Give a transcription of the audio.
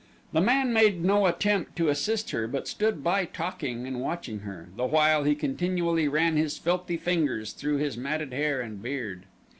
The man made no attempt to assist her, but stood by talking and watching her, the while he continually ran his filthy fingers through his matted hair and beard.